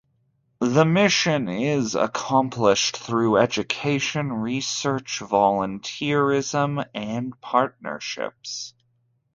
This mission is accomplished through education, research, volunteerism and partnerships.